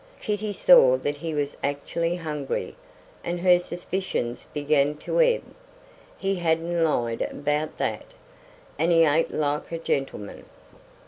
Kitty saw that he was actually hungry, and her suspicions began to ebb. He hadn't lied about that. And he ate like a gentleman.